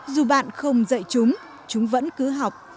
dù bạn không dạy chúng chúng vẫn cứ học